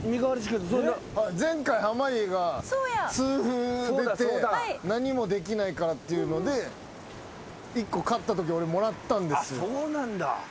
前回濱家が痛風出て何もできないからっていうので１個勝ったとき俺もらったんです。